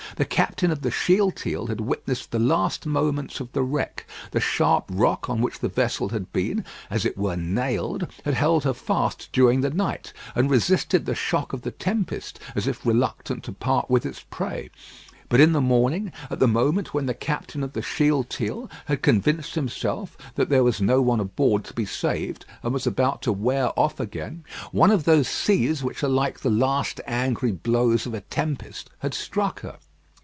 The captain of the Shealtiel had witnessed the last moments of the wreck. The sharp rock on which the vessel had been, as it were, nailed, had held her fast during the night, and resisted the shock of the tempest as if reluctant to part with its prey; but in the morning, at the moment when the captain of the Shealtiel had convinced himself that there was no one aboard to be saved, and was about to wear off again, one of those seas which are like the last angry blows of a tempest had struck her.